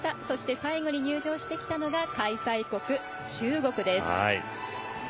そして最後に入場してきたのが開催国・中国です。